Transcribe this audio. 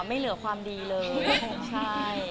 ไม่เหลือความดีเลยใช่